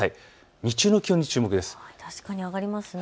日中の気温に注目です。